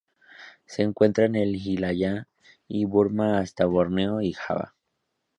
Se encuentra en el Himalaya y Burma hasta Borneo y Java.